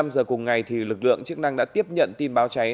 một mươi giờ cùng ngày lực lượng chức năng đã tiếp nhận tin báo cháy